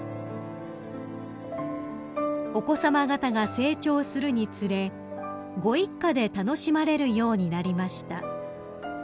［お子さま方が成長するにつれご一家で楽しまれるようになりました］